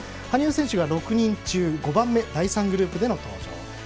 羽生選手が６人中５番目第３グループでの登場。